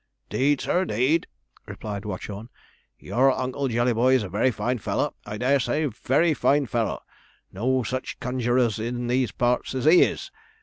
''Deed, sir, 'deed,' replied Watchorn, 'your Uncle Jellyboy's a very fine feller, I dare say very fine feller; no such conjurers in these parts as he is.